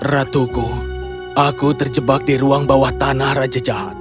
ratuku aku terjebak di ruang bawah tanah raja jahat